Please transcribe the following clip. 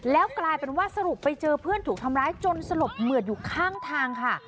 แล้วกลายเป็นว่าสรุปไปเจอเพื่อนถูกทำร้ายจนสลบเหมือดอยู่ข้างทางค่ะ